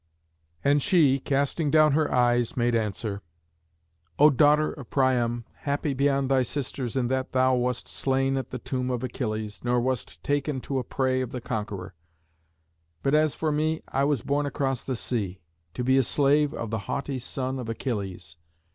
And she, casting down her eyes, made answer, "O daughter of Priam, happy beyond thy sisters in that thou wast slain at the tomb of Achilles, nor wast taken to be a prey of the conqueror! But as for me I was borne across the sea, to be slave of the haughty son of Achilles.